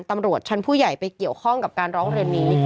ตำรวจชั้นผู้ใหญ่ไปเกี่ยวข้องกับการร้องเรียนนี้